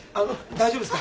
大丈夫です。